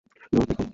ধুর, বিক্রম!